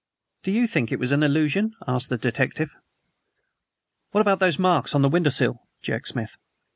"Do you think it was all an illusion?" asked the detective. "What about those marks on the window sill?" jerked Smith.